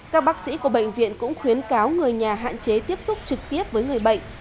các bác sĩ của bệnh viện cũng khuyến cáo người nhà hạn chế tiếp xúc trực tiếp với người bệnh